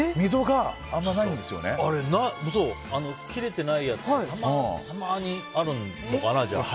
あれ、切れてないやつたまにあるのかな。